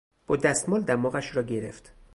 با دستمال دماغش را گرفت.